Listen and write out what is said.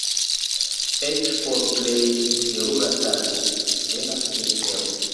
Eĉ por plej terura tago venas vespero.